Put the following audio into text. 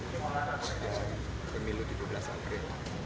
dan kemudian kemilu tujuh belas april